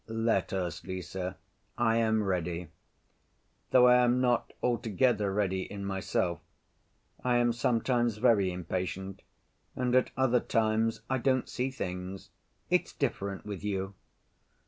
"Let us, Lise; I am ready. Though I am not altogether ready in myself. I am sometimes very impatient and at other times I don't see things. It's different with you."